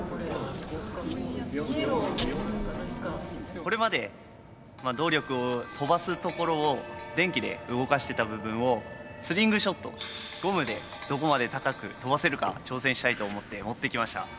これまで動力跳ばすところを電気で動かしてた部分をスリングショットゴムでどこまで高く跳ばせるか挑戦したいと思って持ってきました。